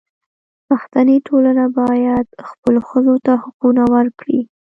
پښتني ټولنه باید خپلو ښځو ته حقونه ورکړي.